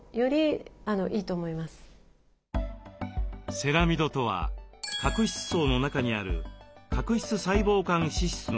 セラミドとは角質層の中にある角質細胞間脂質の主成分です。